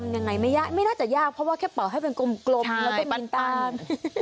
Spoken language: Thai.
ยังไงไม่ยากไม่น่าจะยากเพราะว่าแค่เป่าให้เป็นกลมแล้วก็บินตาม